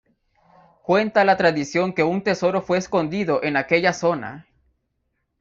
Cuenta la tradición que un tesoro fue escondido en aquella zona.